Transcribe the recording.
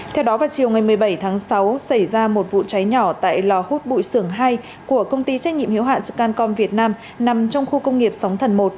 theo đó vào chiều ngày một mươi bảy tháng sáu xảy ra một vụ cháy nhỏ tại lò hút bụi sưởng hai của công ty trách nhiệm hiếu hạn scancom việt nam nằm trong khu công nghiệp sóng thần một